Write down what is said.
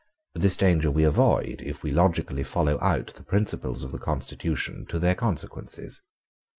This danger we avoid if we logically follow out the principles of the constitution to their consequences.